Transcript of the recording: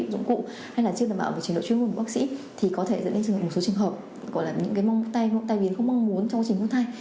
thì có thể dẫn đến một số trường hợp gọi là những cái tay biến không mong muốn trong trình hút thai